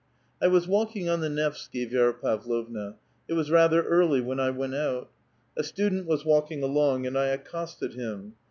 I was walking on the Nevsky, Vi^ra Pavlovna ; it was rather early when I went out. A student was walking along, and I accosted him.